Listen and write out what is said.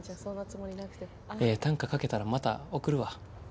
ええ短歌書けたらまた送るわ。